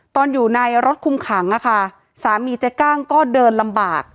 ตอนอยู่ในรถคุมขังนะคะสามีเจ๊กั้งก็เดินลำบาก